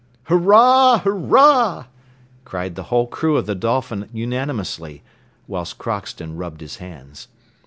"Hurrah! hurrah!" cried the whole crew of the Dolphin unanimously, whilst Crockston rubbed his hands.